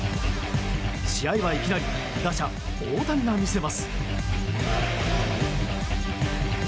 試合はいきなり打者・大谷が見せます。